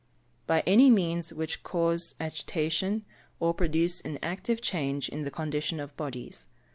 _ By any means which cause agitation, or produce an active change in the condition of bodies.